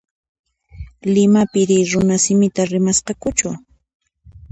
Limapiri runasimita rimasqakuchu?